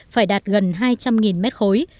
phải đạt gần hai trăm linh mét khối